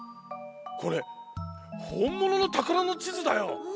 これほんもののたからのちずだよお。